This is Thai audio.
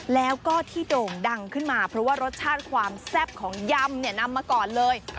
แล้วก็ที่โด่งดังขึ้นมาเพราะว่ารสชาติความแซ่บของยำเนี่ยนำมาก่อนเลย